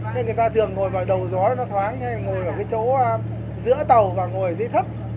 nên người ta thường ngồi vào đầu gió nó thoáng hay ngồi ở cái chỗ giữa tàu và ngồi ở dưới thấp